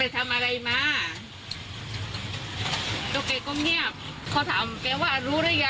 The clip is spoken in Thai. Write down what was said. ถ้าเกิดไม่ได้ก็เป็นเรา